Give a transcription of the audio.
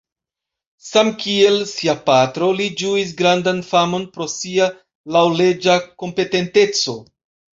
Samkiel sia patro, li ĝuis grandan famon pro sia laŭleĝa kompetenteco.